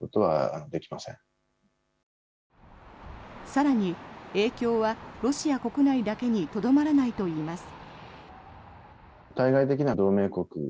更に、影響はロシア国内だけにとどまらないといいます。